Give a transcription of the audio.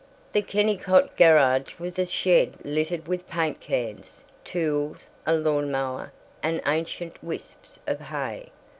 The Kennicott garage was a shed littered with paint cans, tools, a lawn mower, and ancient wisps of hay.